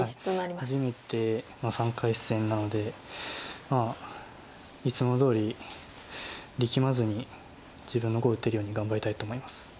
初めて３回戦なのでまあいつもどおり力まずに自分の碁を打てるように頑張りたいと思います。